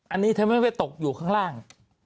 อันนี้ทำไมไม่ตกอยู่ข้างล่าง